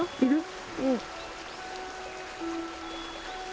うん。